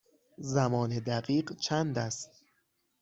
زمان دقیق چند است؟